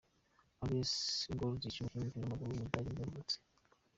Andreas Görlitz, umukinnyi w’umupira w’amaguru w’umudage nibwo yavutse.